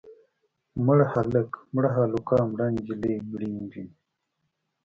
مړ هلک، مړه هلکان، مړه نجلۍ، مړې نجونې.